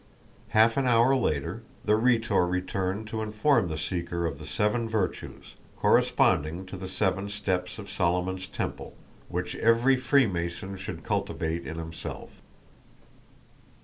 Half an hour later, the Rhetor returned to inform the seeker of the seven virtues, corresponding to the seven steps of Solomon's temple, which every Freemason should cultivate in himself.